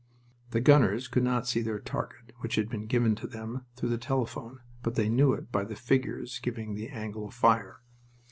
The gunners could not see their target, which had been given to them through the telephone, but they knew it by the figures giving the angle of fire.